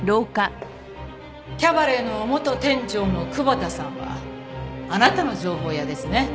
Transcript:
キャバレーの元店長の久保田さんはあなたの情報屋ですね。